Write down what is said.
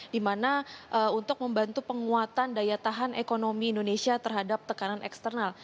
di mana untuk membantu penguatan daya tahan ekonomi indonesia terhadap tekanan eksternal